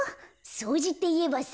そうじっていえばさ